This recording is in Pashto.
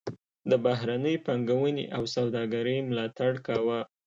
د بهرنۍ پانګونې او سوداګرۍ ملاتړ کاوه.